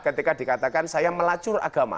ketika dikatakan saya melacur agama